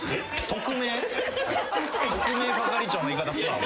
『特命係長』の言い方すんな。